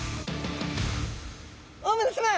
大村さま！